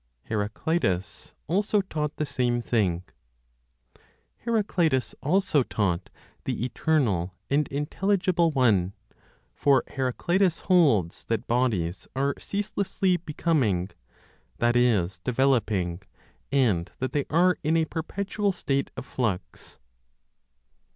HERACLITUS ALSO TAUGHT THE SAME THING. Heraclitus also taught the eternal and intelligible One; for Heraclitus holds that bodies are ceaselessly "becoming" (that is, developing), and that they are in a perpetual state of flux.